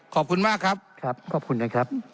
ขอบคุณมากครับครับขอบคุณนะครับ